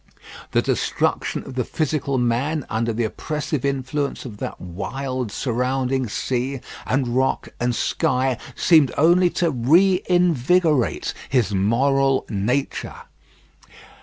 The destruction of the physical man under the oppressive influence of that wild surrounding sea, and rock, and sky, seemed only to reinvigorate his moral nature.